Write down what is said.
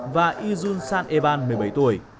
và y dun san eban một mươi bảy tuổi